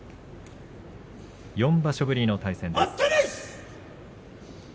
４場所ぶりの対戦です。